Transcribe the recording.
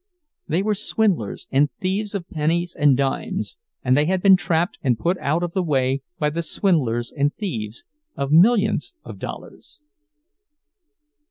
They were swindlers and thieves of pennies and dimes, and they had been trapped and put out of the way by the swindlers and thieves of millions of dollars.